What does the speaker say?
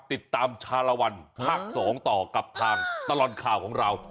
ติดตามชาลวันภาค๒ต่อกับทางตลอดข่าวของเรา